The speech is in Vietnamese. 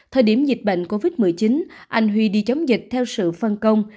thời điểm dịch bệnh covid một mươi chín anh huy đi chống dịch theo sự phân công